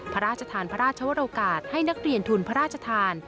พระราชทานพระราชวรกาสให้นักเรียนทุนพระราชทาน